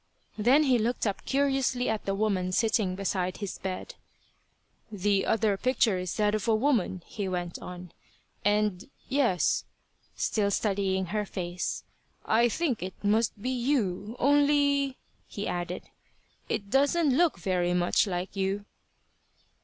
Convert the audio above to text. Then he looked up curiously at the woman sitting beside his bed. "The other picture is that of a woman," he went on, "and yes " still studying her face, "I think it must be you. Only," he added, "it doesn't look very much like you."